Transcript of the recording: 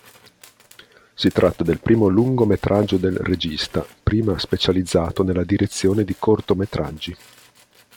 Si tratta del primo lungometraggio del regista, prima specializzato nella direzione di cortometraggi.